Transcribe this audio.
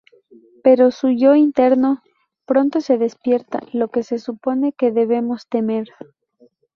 Pero su yo interno pronto se despierta, lo que se supone que debemos temer.